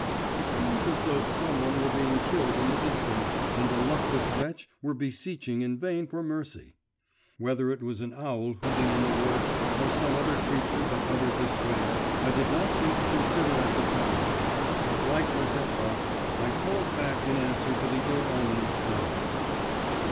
It seemed as though some one were being killed in the distance and the luckless wretch were beseeching in vain for mercy. Whether it was an owl hooting in the wood or some other creature that uttered this wail, I did not think to consider at the time, but, like Mazeppa, I called back in answer to the ill omened sound.